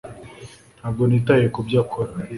ntabwo nitaye kubyo akora